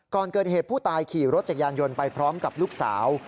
ก่อนเกิดเหตุผู้ตายขี่รถจักรยานยนต์ไปพร้อมกับลูกสาว